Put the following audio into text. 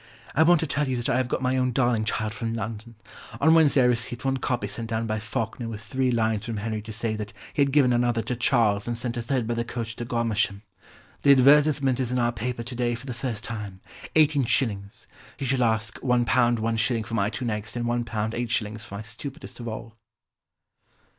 I want to tell you that I have got my own darling child from London. On Wednesday I received one copy sent down by Falkner with three lines from Henry to say that he had given another to Charles and sent a third by the coach to Godmersham.... The advertisement is in our paper to day for the first time: 18s. He shall ask £1, 1s. for my two next and £1, 8s. for my stupidest of all."